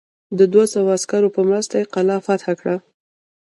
د دوه سوه عسکرو په مرسته قلا فتح کړه.